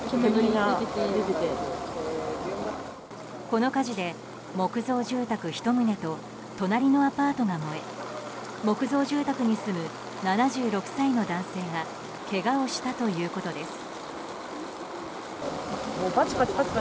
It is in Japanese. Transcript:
この火事で木造住宅１棟と隣のアパートが燃え木造住宅に住む７６歳の男性がけがをしたということです。